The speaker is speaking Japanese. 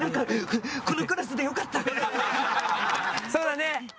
そうだね。